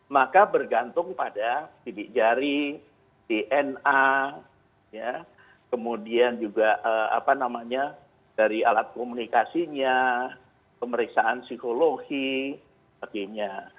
maka bergantung pada sidik jari dna kemudian juga apa namanya dari alat komunikasinya pemeriksaan psikologi sebagainya